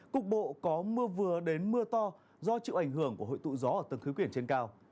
cục bộ có mưa vừa đến mưa to do chịu ảnh hưởng của hội tụ gió ở từng khí quyển trên cao